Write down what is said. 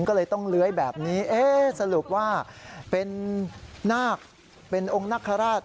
ก็เลยต้องเลื้อยแบบนี้สรุปว่าเป็นนาคเป็นองค์นคราช